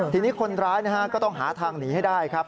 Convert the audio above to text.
ทีนี้คนร้ายก็ต้องหาทางหนีให้ได้ครับ